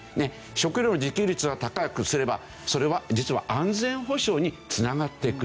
食料の自給率を高くすればそれは実は安全保障に繋がってくるという。